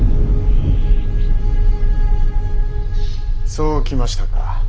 そう来ましたか。